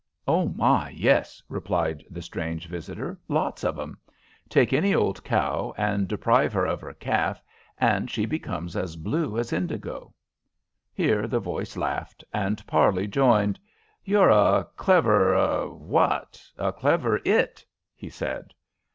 "Oh, my, yes!" replied the strange visitor; "lots of 'em. Take any old cow and deprive her of her calf, and she becomes as blue as indigo." Here the voice laughed, and Parley joined. "You're a clever ah what? A clever It," he said.